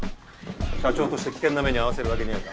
社長として危険な目に遭わせるわけにはいかん。